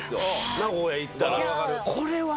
名古屋行ったら。